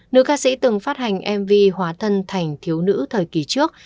nữ ca sĩ từng phát hành mv hóa thân thành thiếu nữ thời kỳ trước